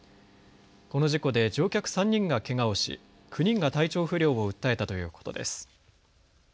この事故で乗客３人がけがをし９人が体調不良を訴えたということです。